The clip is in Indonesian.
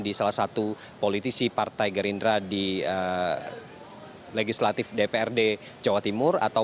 di salah satu politisi partai gerindra di legislatif dprd jawa timur